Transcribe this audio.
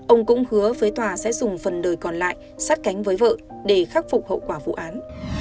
ông cũng hứa với tòa sẽ dùng phần đời còn lại sát cánh với vợ để khắc phục hậu quả vụ án